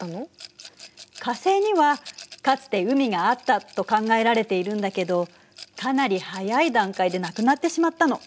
火星にはかつて海があったと考えられているんだけどかなり早い段階でなくなってしまったの。